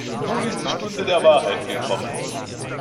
Nun ist die Stunde der Wahrheit gekommen.